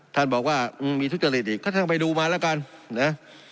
ท่านบอกว่ามีทุจริตอีกก็ท่านไปดูมาแล้วกันนะ